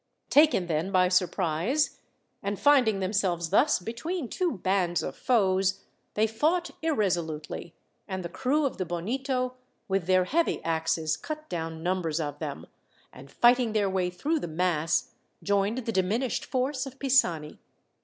Taken then by surprise, and finding themselves thus between two bands of foes, they fought irresolutely, and the crew of the Bonito, with their heavy axes, cut down numbers of them, and fighting their way through the mass, joined the diminished force of Pisani.